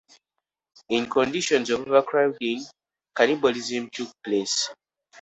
In conditions of overcrowding, cannibalism took place.